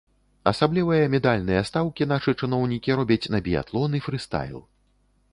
Асаблівыя медальныя стаўкі нашы чыноўнікі робяць на біятлон і фрыстайл.